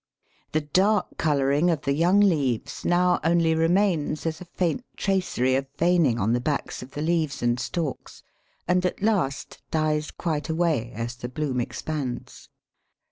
The dark colouring of the young leaves now only remains as a faint tracery of veining on the backs of the leaves and stalks, and at last dies quite away as the bloom expands.